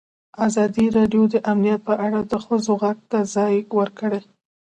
ازادي راډیو د امنیت په اړه د ښځو غږ ته ځای ورکړی.